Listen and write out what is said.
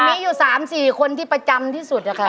มี๓๔คนอยู่ที่ประจำที่สุดค่ะ